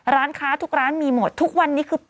ร้านค้าทุกร้านมีหมดทุกวันนี้คือ